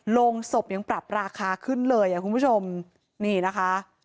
โรงศพยังปรับราคาขึ้นเลยอ่ะคุณผู้ชมนี่นะคะ